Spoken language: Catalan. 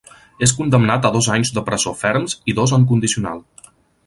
És condemnat a dos anys de presó ferms i dos en condicional.